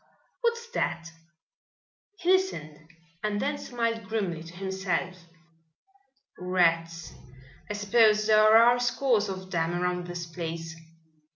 What's that?" He listened and then smiled grimly to himself. "Rats. I suppose there are scores of them around this place.